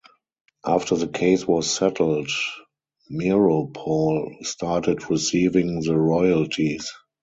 After the case was settled, Meeropol started receiving the royalties.